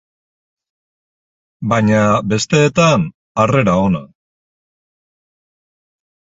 Baina besteetan, harrera ona.